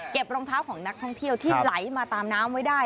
รองเท้าของนักท่องเที่ยวที่ไหลมาตามน้ำไว้ได้